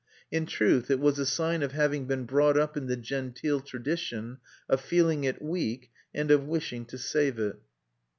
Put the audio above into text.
In truth it was a sign of having been brought up in the genteel tradition, of feeling it weak, and of wishing to save it.